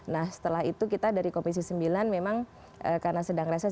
nah setelah itu kita dari komisi sembilan memang karena sedang reses